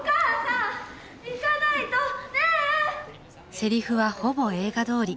セリフはほぼ映画どおり。